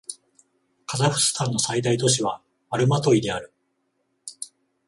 カザフスタンの最大都市はアルマトイである